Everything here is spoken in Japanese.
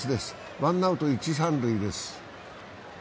ワンアウト、一・三塁です。